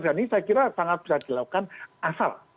dan ini saya kira sangat bisa dilakukan asal